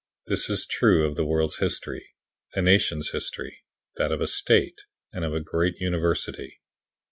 This is true of the world's history, a nation's history, that of a state, and of a great university.